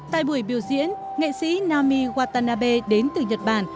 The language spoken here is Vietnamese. tại buổi biểu diễn nghệ sĩ nami watanabe đến từ nhật bản